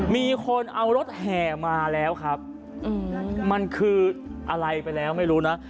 มีคนเอารถแห่มาแล้วครับมันคืออะไรไปแล้วไม่รู้นะ